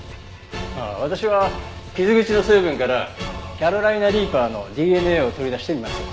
ああ私は傷口の成分からキャロライナ・リーパーのＤＮＡを取り出してみます。